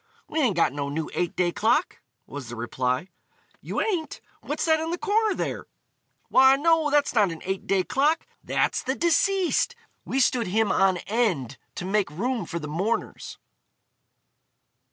"We ain't got no new eight day clock," was the reply. "You ain't? What's that in the corner there?" "Why, no, that's not an eight day clock; that's the deceased. We stood him on end to make room for the mourners."